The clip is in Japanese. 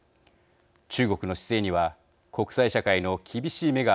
中国の姿勢には国際社会の厳しい目が